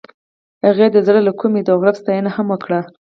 هغې د زړه له کومې د غروب ستاینه هم وکړه.